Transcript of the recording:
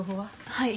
はい。